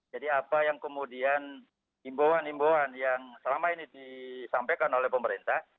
jadi apa yang kemudian imbauan imbauan yang selama ini disampaikan oleh pemerintah